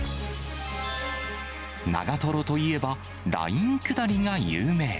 長瀞といえば、ライン下りが有名。